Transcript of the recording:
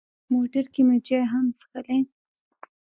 موټر کې مو چای هم څښلې.